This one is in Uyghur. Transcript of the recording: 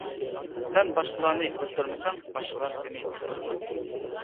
سەن باشقىلارنى ئۆلتۈرمىسەڭ باشقىلار سېنى ئۆلتۈرىدۇ.